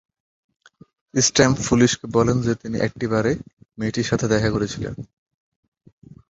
Stamp পুলিশকে বলেন যে তিনি একটি বারে মেয়েটির সাথে দেখা করেছিলেন।